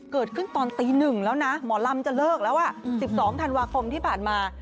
เกิดขึ้นตอนตีหนึ่งแล้วนะหมอลำจะเลิกแล้วอ่ะสิบสองธันวาคมที่ผ่านมา